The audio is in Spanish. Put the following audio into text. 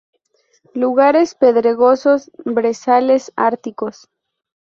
Lugares pedregosos, brezales árticos.